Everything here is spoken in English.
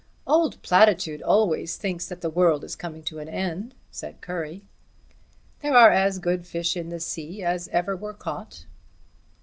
"Old Platitude always thinks that the world is coming to an end," said Currie. "There are as good fish in the sea as ever were caught."